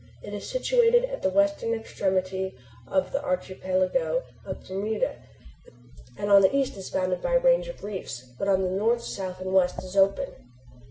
It is situated at the western extremity of the archipelago of Bermuda, and on the east is bounded by a range of reefs, but on the north, south, and west is open.